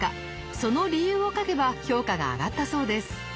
その理由を書けば評価が上がったそうです。